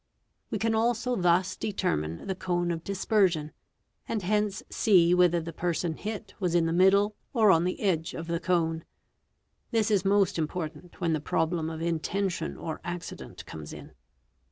We. can also. thus determine the cone of dispersion, and hence see whether the person hit was in the middle or on the edge of the cone; this is most importe nt when the problem of intention or accident comes in.